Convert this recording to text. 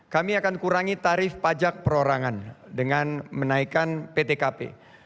kami akan kurangi tarif pajak perorangan dengan menaikkan ptkp